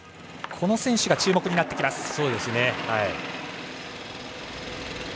この選手が注目になってきます。